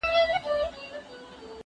که وخت وي، کتابتون ته ځم!.